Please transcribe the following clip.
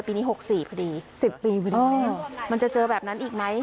ปีนี้๖๔พอดี๑๐ปีพอดีมันจะเจอแบบนั้นอีกไหม